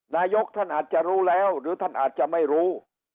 นายกท่านอาจจะรู้แล้วหรือท่านอาจจะไม่รู้